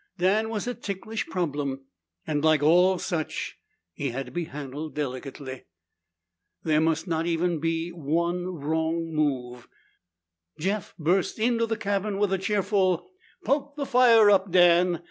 Dan was a ticklish problem, and like all such, he had to be handled delicately. There must not be even one wrong move. Jeff burst into the cabin with a cheerful, "Poke the fire up, Dan!